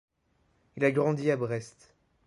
Il a grandi à Brest.